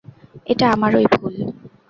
এটা আমারই ভুল।